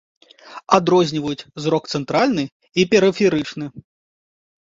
Адрозніваюць зрок цэнтральны і перыферычны.